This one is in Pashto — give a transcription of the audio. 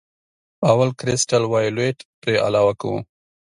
اول کرسټل وایولېټ پرې علاوه کوو.